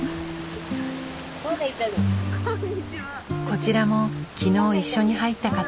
こちらも昨日一緒に入った方。